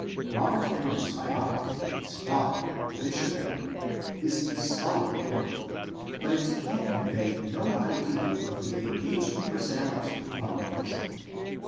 Robert Emory's biography of his father, Bishop Emory, is a scholarly work, but it can convey no idea of the engaging personality of our president.